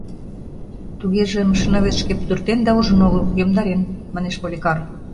— Тугеже, машиновед шке пудыртен да ужын огыл, йомдарен, — манеш Поликар.